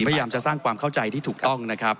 พยายามจะสร้างความเข้าใจที่ถูกต้องนะครับ